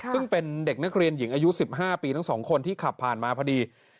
ซึ่งเป็นเด็กนักเรียนหญิงอายุ๑๕ปีทั้ง๒คนที่ขับผ่านมาพอดี